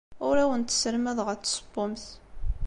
Ur awent-sselmadeɣ ad tessewwemt.